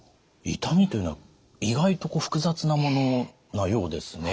痛みというのは意外と複雑なものなようですね。